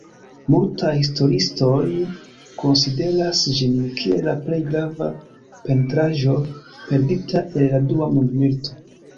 Multaj historiistoj konsideras ĝin kiel la plej grava pentraĵo perdita el la Dua Mondmilito.